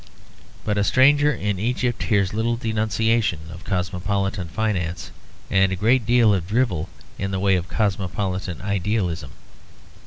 But a stranger in Egypt hears little denunciation of cosmopolitan finance, and a great deal of drivel in the way of cosmopolitan idealism.